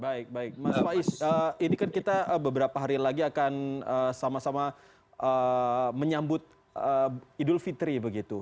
baik baik mas faiz ini kan kita beberapa hari lagi akan sama sama menyambut idul fitri begitu